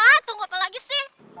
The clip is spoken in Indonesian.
wah tunggu apa lagi sih